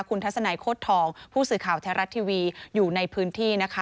คุณทัศนัยโคตรทองผู้สื่อข่าวแท้รัฐทีวีอยู่ในพื้นที่นะคะ